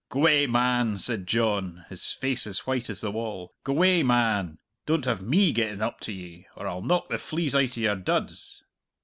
"G'way, man," said John, his face as white as the wall; "g'way, man! Don't have me getting up to ye, or I'll knock the fleas out of your duds!"